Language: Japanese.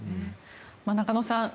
中野さん